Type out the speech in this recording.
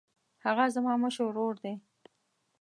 هغه زما مشر ورور دی.